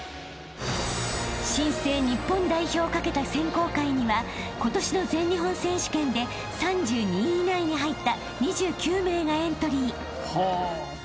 ［新生日本代表をかけた選考会には今年の全日本選手権で３２位以内に入った］